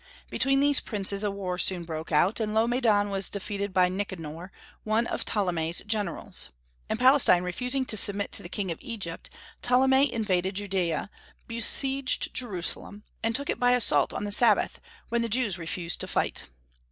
Between these princes a war soon broke out, and Laomedon was defeated by Nicanor, one of Ptolemy's generals; and Palestine refusing to submit to the king of Egypt, Ptolemy invaded Judaea, besieged Jerusalem, and took it by assault on the Sabbath, when the Jews refused to fight.